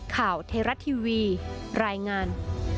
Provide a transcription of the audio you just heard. ข่าวเทราะทีวีรายงาน